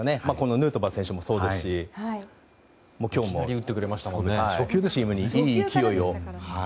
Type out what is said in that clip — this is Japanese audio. ヌートバー選手もそうですしチームにいい勢いを。